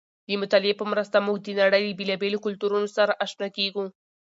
د مطالعې په مرسته موږ د نړۍ له بېلابېلو کلتورونو سره اشنا کېږو.